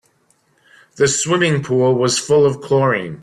The swimming pool was full of chlorine.